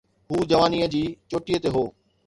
هو جوانيءَ جي چوٽيءَ تي هو.